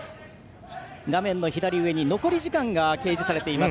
画面の左上に残り時間が掲示されています。